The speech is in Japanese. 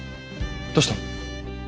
どうした？